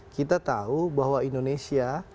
kita tahu bahwa indonesia